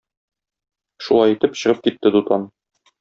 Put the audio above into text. Шулай итеп, чыгып китте Дутан.